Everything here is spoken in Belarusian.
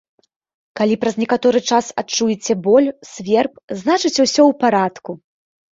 Калі праз некаторы час адчуеце боль, сверб, значыць, усё ў парадку!